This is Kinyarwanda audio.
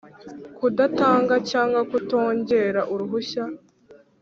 Kudatanga cyangwa kutongera uruhushya